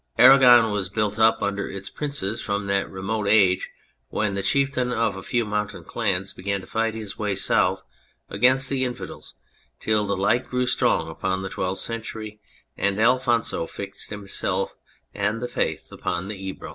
Aragon was built up under its princes, from that remote age when the chieftain of a few mountain clans began to fight his way South against the infidels till the light grew strong upon the Twelfth Century and Alphonso fixed himself and the Faith upon the Ebro.